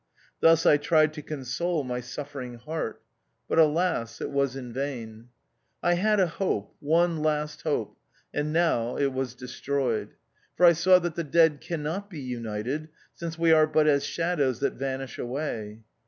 Thus I tried to console my suffering heart ; 28 THE OUTCAST. but alas ! it was in vain. I had a hope — one last hope — and now it was destroyed. For I saw that the dead cannot be united, since we are but as shadows that vanish away.